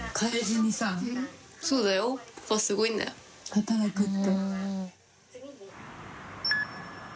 働くって。